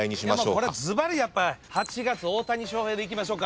これはずばりやっぱ８月大谷翔平でいきましょか。